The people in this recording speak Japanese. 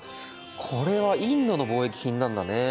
これはインドの貿易品なんだね。